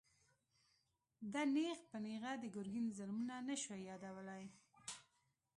ده نېغ په نېغه د ګرګين ظلمونه نه شوای يادولای.